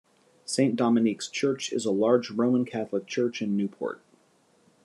Saint Dominique's Church is a large Roman Catholic church in Newport.